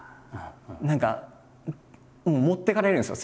何か持っていかれるんですよ